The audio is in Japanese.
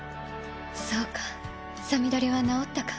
そうかさみだれは治ったか。